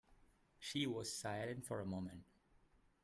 She was silent for a moment.